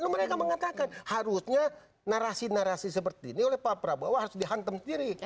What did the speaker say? lalu mereka mengatakan harusnya narasi narasi seperti ini oleh pak prabowo harus dihantam sendiri